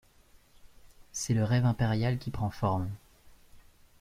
C'est le rêve impérial qui prend forme.